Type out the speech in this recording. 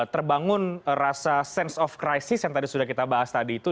terbangun rasa sense of crisis yang tadi sudah kita bahas tadi itu